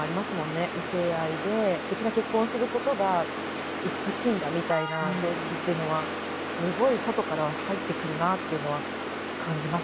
異性愛ですてきな結婚をすることが美しいんだみたいな常識というのはすごい外からは入ってくるなというのは感じますね。